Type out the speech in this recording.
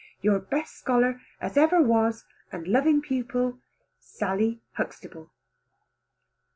Your best scholar as ever was and loving pupil. SALLY HUXTABLE."